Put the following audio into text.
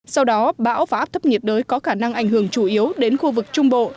sau đó bão và áp thấp nhiệt đới có khả năng ảnh hưởng chủ yếu đến khu vực trung bộ